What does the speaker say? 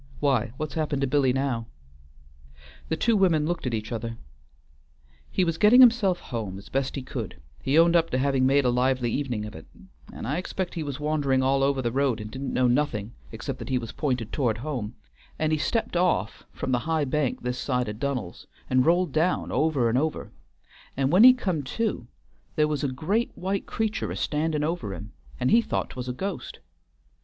"Why what's happened to Billy now?" The two women looked at each other: "He was getting himself home as best he could, he owned up to having made a lively evenin' of it, and I expect he was wandering all over the road and didn't know nothin' except that he was p'inted towards home, an' he stepped off from the high bank this side o' Dunnell's, and rolled down, over and over; and when he come to there was a great white creatur' a standin' over him, and he thought 't was a ghost.